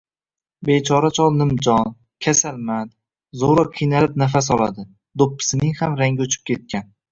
Bechora chol nimjon, kasalmand, zoʻrgʻa, qiynalib nafas oladi, doʻppisining ham rangi oʻchib ketgan.